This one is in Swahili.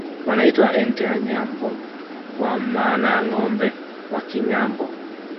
Wanaitwa Ente ye Nyambo kwa maana ya Ngombe wa Kinyambo